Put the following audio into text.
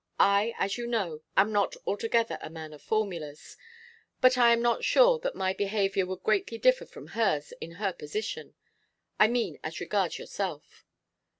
I, as you know, am not altogether a man of formulas, but I am not sure that my behaviour would greatly differ from hers in her position; I mean as regards yourself.